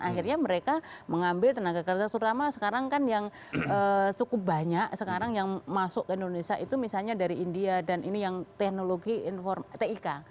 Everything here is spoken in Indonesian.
akhirnya mereka mengambil tenaga kerja terutama sekarang kan yang cukup banyak sekarang yang masuk ke indonesia itu misalnya dari india dan ini yang teknologi tik